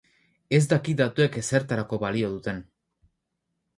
Ez dakit datuek ezertarako balio duten